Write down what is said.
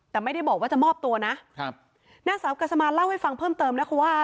แต่ไม่ได้บอกว่าจะมอบตัวนะครับนางสาวกัสมานเล่าให้ฟังเพิ่มเติมนะคะว่า